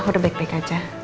udah baik baik aja